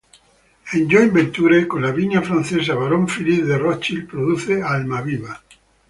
En "joint venture" con la viña francesa Barón Philippe de Rothschild produce "Almaviva".